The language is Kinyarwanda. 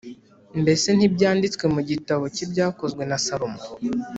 mbese ntibyanditswe mu gitabo cy’ibyakozwe na Salomo?